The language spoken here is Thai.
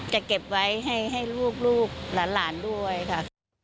จะเก็บไว้ให้ลูกหลานด้วยค่ะ